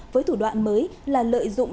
với thủ đoạn mới là lợi dụng